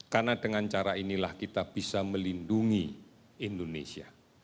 karena dengan cara inilah kita bisa melindungi indonesia